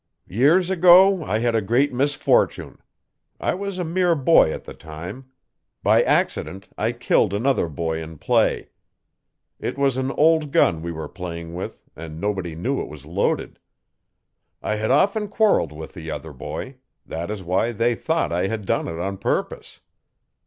'Years ago I had a great misfortune. I was a mere boy at the time. By accident I killed another boy in play. It was an old gun we were playing with and nobody knew it was loaded. I had often quarrelled with the other boy that is why they thought I had done it on purpose.